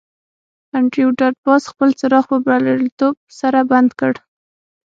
انډریو ډاټ باس خپل څراغ په بریالیتوب سره بند کړ